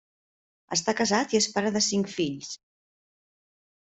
Està casat i és pare de cinc fills.